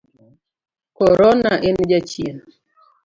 Korona en jachien.